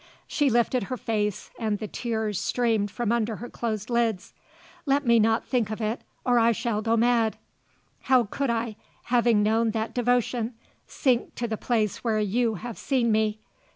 She lifted her face and the tears streamed from under her closed lids. "Let me not think of it or I shall go mad. How could I, having known that devotion, sink to the place where you have seen me?